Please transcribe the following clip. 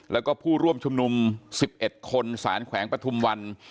แล้วก็ผู้ร่วมชุมนุม๑๑คนสารแขวงปฐุมวัน